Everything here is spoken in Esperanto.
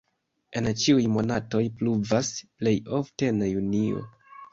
En ĉiuj monatoj pluvas, plej ofte en junio.